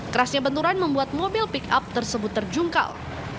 kerasnya benturan membuat mobil pick up tersebut terjungkal